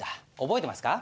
覚えてますか？